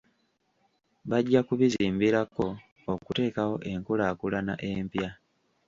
Bajja kubizimbirako okuteekawo enkulaakulana empya.